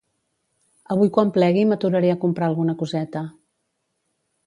Avui quan plegui m'aturaré a comprar alguna coseta